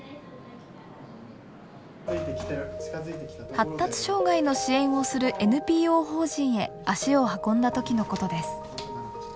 発達障害の支援をするＮＰＯ法人へ足を運んだ時のことです。